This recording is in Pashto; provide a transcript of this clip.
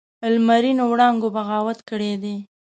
لمرینو وړانګو بغاوت کړی دی